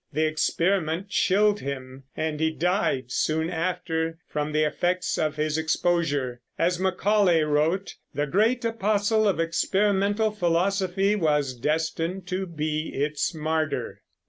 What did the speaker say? The experiment chilled him, and he died soon after from the effects of his exposure. As Macaulay wrote, "the great apostle of experimental philosophy was destined to be its martyr."